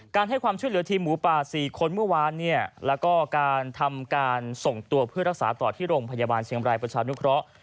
ให้ความช่วยเหลือทีมหมูป่า๔คนเมื่อวานเนี่ยแล้วก็การทำการส่งตัวเพื่อรักษาต่อที่โรงพยาบาลเชียงบรายประชานุเคราะห์